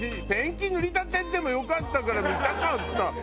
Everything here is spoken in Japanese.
ペンキ塗りたてでもよかったから見たかった！